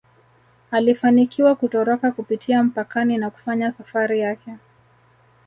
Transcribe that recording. Alifanikiwa kutoroka kupitia mpakani na kufanya safari yake